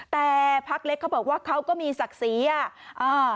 แต่ภักดิ์เล็กเขาบอกว่าเขาก็มีศักดิ์ศีรษะ